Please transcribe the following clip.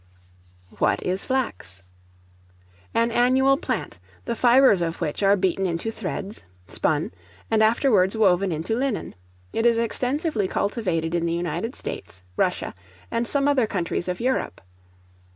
What is Flax? An annual plant, the fibres of which are beaten into threads, spun, and afterwards woven into linen; it is extensively cultivated in the United States, Russia, and some other countries of Europe.